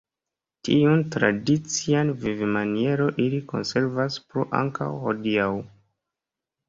Tiun tradician vivmanieron ili konservas plu ankaŭ hodiaŭ.